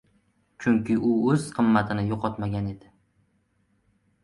Chunki u oʻz qimmatini yoʻqotmagan edi.